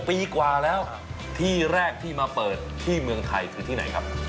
ปีกว่าแล้วที่แรกที่มาเปิดที่เมืองไทยคือที่ไหนครับ